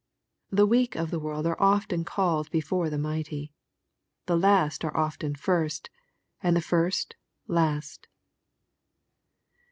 The weak of the world are often called before the mighty. The last are often first, and the first last.